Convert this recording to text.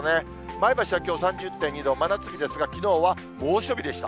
前橋はきょう３０．２度、真夏日ですが、きのうは猛暑日でした。